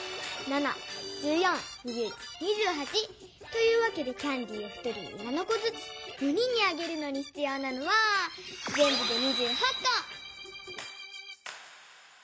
７１４２１２８。というわけでキャンディーを１人に７こずつ４人にあげるのにひつようなのはぜんぶで２８こ！